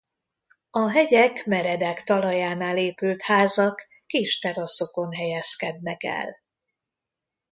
A hegyek meredek talajánál épült házak kis teraszokon helyezkednek el.